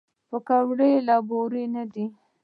پکورې له بوره نه دي